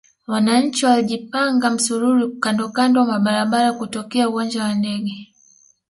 Wananchi walijipanga msururu kandokando mwa barabara kutokea uwanja wa ndege